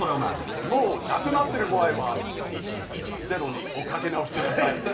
もう亡くなってる場合は１１０におかけ直しください。